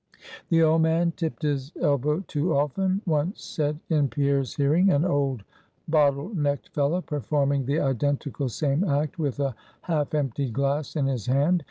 "The old man tipped his elbow too often," once said in Pierre's hearing an old bottle necked fellow, performing the identical same act with a half emptied glass in his hand.